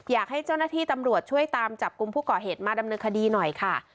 อยากให้เจ้าหน้าที่ตำรวจช่วยตามจับกลุ่มผู้ก่อเหตุมาดำเนินคดีหน่อยค่ะ